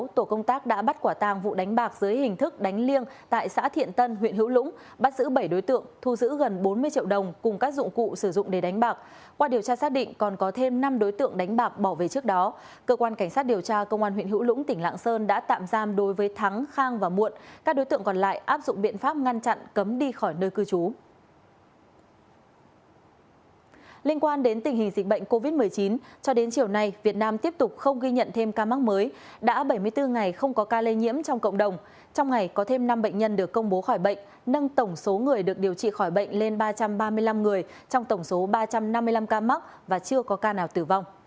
trong ngày có thêm năm bệnh nhân được công bố khỏi bệnh nâng tổng số người được điều trị khỏi bệnh lên ba trăm ba mươi năm người trong tổng số ba trăm năm mươi năm ca mắc và chưa có ca nào tử vong